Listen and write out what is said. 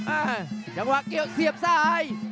เอ้อยังวางเกี่ยวเสียบซ้าย